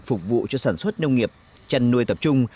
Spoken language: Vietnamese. phục vụ cho sản xuất nông nghiệp chăn nuôi tập trung